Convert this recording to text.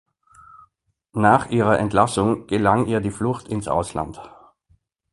Nach ihrer Entlassung gelang ihr die Flucht ins Ausland.